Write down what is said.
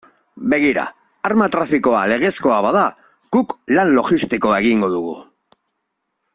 Begira, arma trafikoa legezkoa bada, guk lan logistikoa egingo dugu.